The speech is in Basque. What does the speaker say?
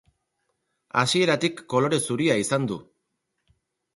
Hasieratik kolore zuria izan du.